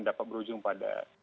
dapat berujung pada